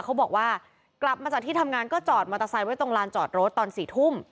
เขาบอกว่ากลับมาจากที่ทำงานก็จอดมอเตอร์ไซค์ไว้ตรงลานจอดรถตอน๔ทุ่ม